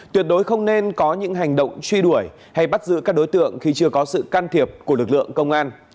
tuyệt đối không nên có những hành động truy đuổi hay bắt giữ các đối tượng khi chưa có sự can thiệp của lực lượng công an